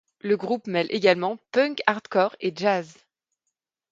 Le groupe mêle également punk hardcore et jazz.